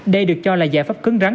đây được cho là giải pháp cứng rắn